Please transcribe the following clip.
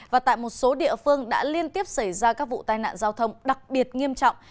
và tại một số địa phương đã liên tiếp xảy ra các vụ tai nạn giao thông đặc biệt nghiêm trọng